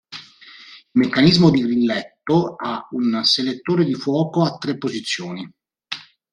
Il meccanismo di grilletto ha un selettore di fuoco a tre posizioni.